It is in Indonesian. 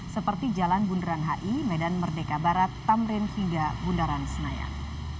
seperti jalan bundaran hi medan merdeka barat tamrin hingga bundaran senayan